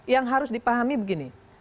yang harus dipahami begini